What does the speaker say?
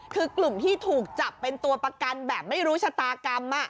คือกลุ่มที่ถูกจับเป็นตัวประกันแบบไม่รู้ชะตากรรม